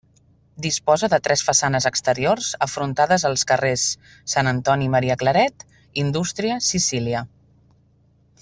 Disposa de tres façanes exteriors afrontades als carrers Sant Antoni Maria Claret, Indústria, Sicília.